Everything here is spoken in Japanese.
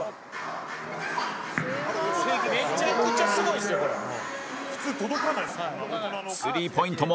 「めちゃくちゃすごいですよこれ」「普通届かないですよ」スリーポイントも